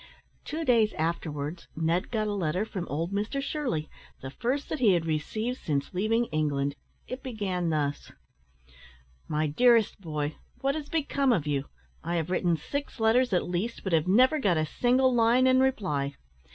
Two days afterwards, Ned got a letter from old Mr Shirley the first that he had received since leaving England. It began thus: "My Dearest Boy, What has become of you? I have written six letters, at least, but have never got a single line in reply.